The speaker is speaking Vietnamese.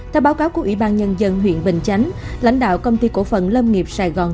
theo báo cáo của ủy ban nhân dân huyện bình chánh lãnh đạo công ty cổ phần lâm nghiệp sài gòn